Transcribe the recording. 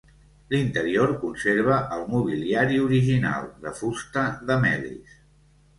L'interior conserva el mobiliari original, de fusta de melis.